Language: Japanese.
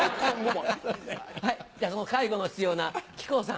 じゃその介護の必要な木久扇さん。